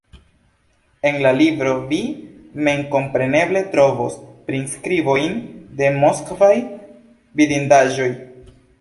En la libro vi memkompreneble trovos priskribojn de moskvaj vidindaĵoj.